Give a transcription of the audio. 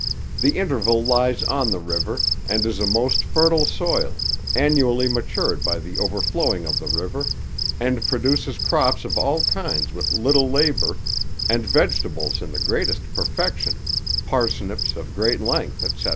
The interval lies on the river, and is a most fertile soil, annually matured by the overflowing of the river, and produces crops of all kinds with little labour, and vegetables in the greatest perfection, parsnips of great length etc.'